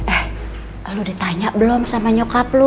eh lu udah tanya belum sama nyokap lu